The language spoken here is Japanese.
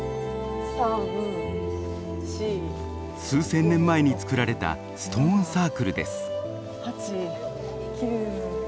数千年前に作られたストーンサークルです。